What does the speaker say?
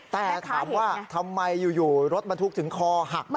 แต่ถามว่าทำไมอยู่รถบรรทุกถึงคอหัก